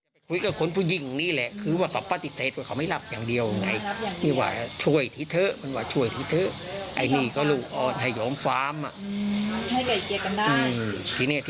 แต่พ่อก็เข้าใจเขาใช่ไหมคะว่าเขาก็ถูกหำร้าย